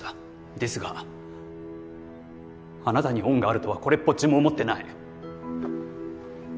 ですがあなたに恩があるとはこれっぽっちも思ってない。